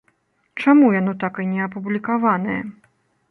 Чаму яно так і не апублікаванае?